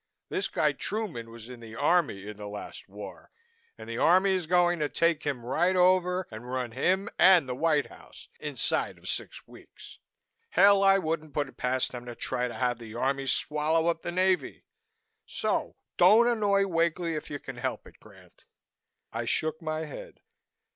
This guy Truman was in the Army in the last war and the Army is going to take him right over and run him and the White House inside of six weeks. Hell, I wouldn't put it past them to try to have the Army swallow up the Navy. So don't annoy Wakely if you can help it, Grant." I shook my head.